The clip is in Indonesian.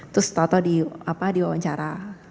terus tau tau di wawancara